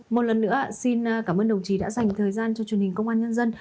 một lần nữa xin cảm ơn đồng chí đã dành thời gian cho truyền hình công an nhân dân